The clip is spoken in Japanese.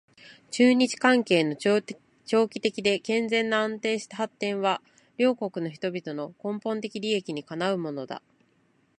中日関係の長期的で健全な安定した発展は両国の人々の根本的利益にかなうものだ